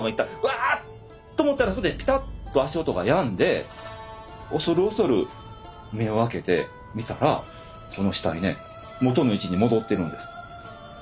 ワーッと思ったらそこでピタッと足音がやんで恐る恐る目を開けて見たらその死体ね元の位置に戻ってるんです。